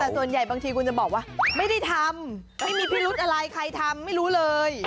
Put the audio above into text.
แต่ส่วนใหญ่บางทีคุณจะบอกว่าไม่ได้ทำไม่มีพิรุธอะไรใครทำไม่รู้เลย